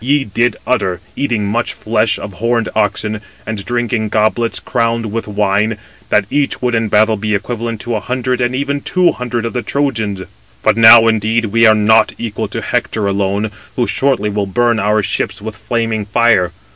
ye did utter, eating much flesh of horned oxen, and drinking goblets crowned with wine, 272 that each would in battle be equivalent to a hundred and even two hundred of the Trojans? But now, indeed, we are not equal to Hector alone, who shortly will burn our ships with flaming fire.